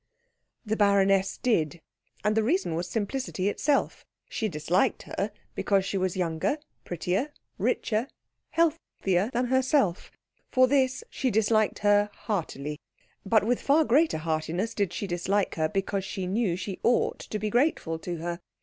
The baroness did; and the reason was simplicity itself. She disliked her because she was younger, prettier, richer, healthier than herself. For this she disliked her heartily; but with far greater heartiness did she dislike her because she knew she ought to be grateful to her.